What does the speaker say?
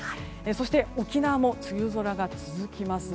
そして沖縄も梅雨空が続きます。